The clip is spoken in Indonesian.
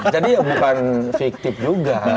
jadi bukan fiktif juga